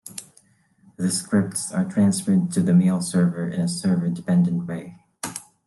The scripts are transferred to the mail server in a server-dependent way.